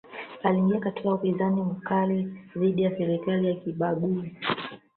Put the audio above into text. aliingia katika upinzani mkali dhidi ya serikali ya kibaguzi